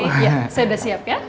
saya udah siap ya